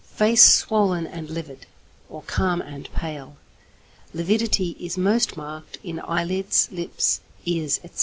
_ Face swollen and livid, or calm and pale; lividity is most marked in eyelids, lips, ears, etc.